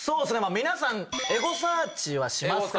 皆さんエゴサーチはしますか？